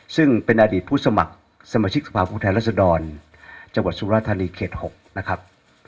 ซึ่งเป็นอดีตผู้สมัครสมชิกสภาพกรุงไทยรัฐสดรจังหวัดสุรธารีย์เขตหกนะครับ